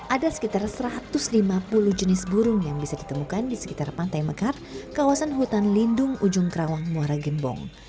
ada sekitar satu ratus lima puluh jenis burung yang bisa ditemukan di sekitar pantai mekar kawasan hutan lindung ujung kerawang muara gembong